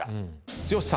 剛さん